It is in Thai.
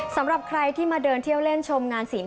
สำหรับใครที่มาเดินเที่ยวเล่นชมงานศีล